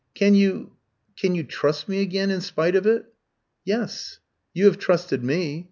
Can you can you trust me again in spite of it?" "Yes; you have trusted me.